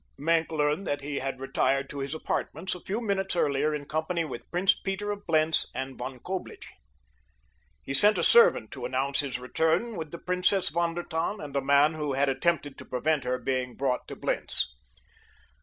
Maenck learned that he had retired to his apartments a few minutes earlier in company with Prince Peter of Blentz and Von Coblich. He sent a servant to announce his return with the Princess von der Tann and a man who had attempted to prevent her being brought to Blentz.